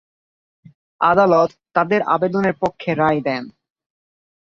আদালত তাদের আবেদনের পক্ষে রায় দেন।